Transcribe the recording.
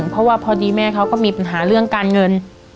เพราะว่าพอดีแม่เขาก็มีปัญหาเรื่องการเงิน